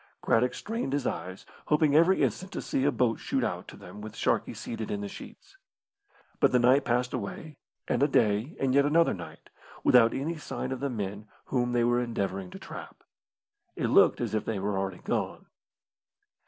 Craddock strained his eyes, hoping every instant to see a boat shoot out to them with Sharkey seated in the sheets. But the night passed away, and a day and yet another night, without any sign of the men whom they were endeavouring to trap. It looked as if they were already gone.